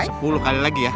sepuluh kali lagi ya